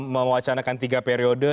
mewacanakan tiga periode